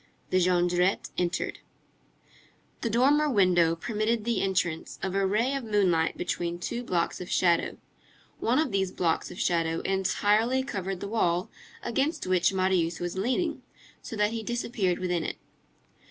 The Jondrette entered. The dormer window permitted the entrance of a ray of moonlight between two blocks of shadow. One of these blocks of shadow entirely covered the wall against which Marius was leaning, so that he disappeared within it.